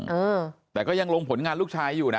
เออแต่ก็ยังลงผลงานลูกชายอยู่นะ